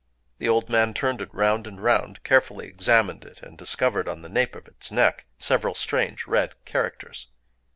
The old man turned it round and round, carefully examined it, and discovered, on the nape of its neck, several strange red characters.